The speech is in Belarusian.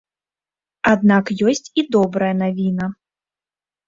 Аднак ёсць і добрая навіна.